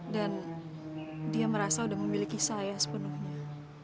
dan dia merasa udah memiliki saya sepenuhnya